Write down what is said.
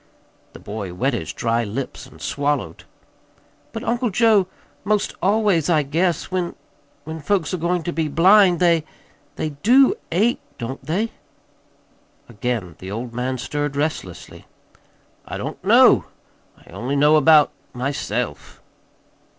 The boy wet his dry lips and swallowed. "But, Uncle Joe, 'most always, I guess, when when folks are going to be blind, they they DO ache, don't they?" Again the old man stirred restlessly. "I don't know. I only know about myself."